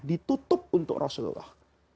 ditutup untuk rasulullah